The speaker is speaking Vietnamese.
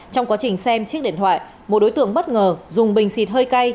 trong quá trình xem chiếc điện thoại một đối tượng bất ngờ dùng bình xịt hơi cay